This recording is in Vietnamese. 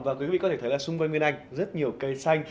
và quý vị có thể thấy là xung quanh bên anh rất nhiều cây xanh